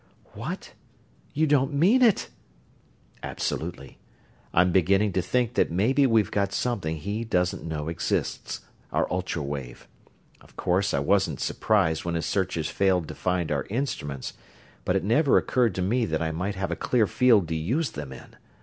"What? You don't mean it!" "Absolutely. I'm beginning to think that maybe we've got something he doesn't know exists our ultra wave. Of course I wasn't surprised when his searchers failed to find our instruments, but it never occurred to me that I might have a clear field to use them in!